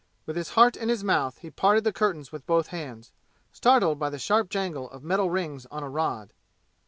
With his heart in his mouth he parted the curtains with both hands, startled by the sharp jangle of metal rings on a rod.